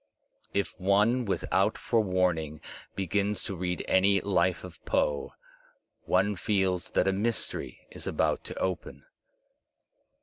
If one without forewarning begins to read any life of Poe, one feels that a mystery is about to open.